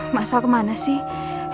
mas al kemana sih